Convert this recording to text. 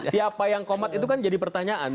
siapa yang komat itu kan jadi pertanyaan